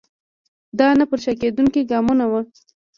دا نه پر شا کېدونکي ګامونه وو.